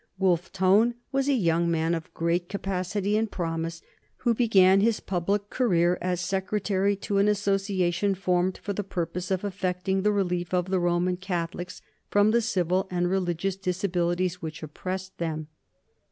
Wolfe Tone was a young man of great capacity and promise, who began his public career as secretary to an association formed for the purpose of effecting the relief of the Roman Catholics from the civil and religious disabilities which oppressed them.